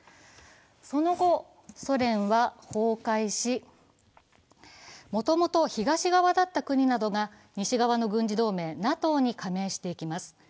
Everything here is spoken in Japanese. その後、ソ連は崩壊し、もともと東側だった国などが西側の軍事同盟ＮＡＴＯに加盟していきます。